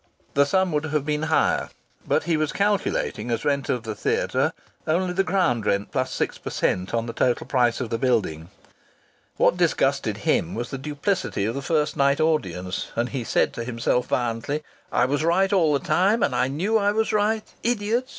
The sum would have been higher, but he was calculating as rent of the theatre only the ground rent plus six per cent on the total price of the building. What disgusted him was the duplicity of the first night audience, and he said to himself violently, "I was right all the time, and I knew I was right! Idiots!